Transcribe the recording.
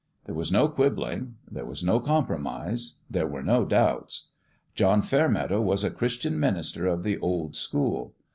There was no quibbling. There was no compromise. There were no doubts. John Fairmeadow was a Chris tian minister of the old school.